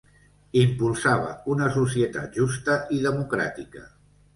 Impulsava una societat justa i democràtica.